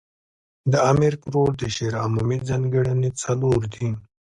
د امیر کروړ د شعر عمومي ځانګړني څلور دي.